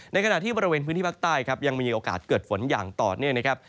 ในขณะที่บริเวณพื้นที่ภาคใต้ครับยังมีโอกาสเกิดฝนอย่างต่อเนื่องนะครับ